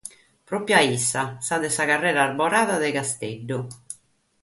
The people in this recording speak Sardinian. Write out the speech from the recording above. Pròpiu a issa: sa de sa carrera arborada de Casteddu.